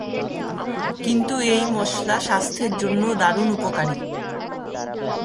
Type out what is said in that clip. কিন্তু এই মসলা স্বাস্থ্যের জন্যও দারুণ উপকারী।